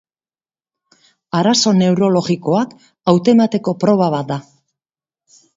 Arazo neurologikoak hautemateko proba bat da.